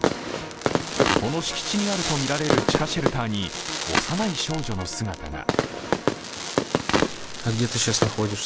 この敷地にあるとみられる地下シェルターに幼い少女の姿が。